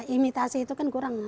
imitasi itu kan kurang